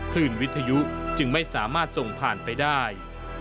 คลื่นวิทยุจึงไม่สามารถส่งผ่านไปได้